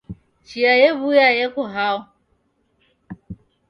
Chia yew'uya yeko hao